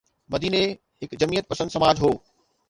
مديني هڪ جمعيت پسند سماج هو.